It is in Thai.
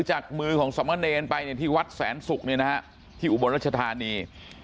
จากมือของสมเนรไปเนี่ยที่วัดแสนศุกร์เนี่ยนะฮะที่อุบลรัชธานี